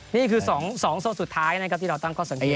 นี่คือ๒โซ่สุดท้ายนะครับที่เราตั้งข้อสังเกต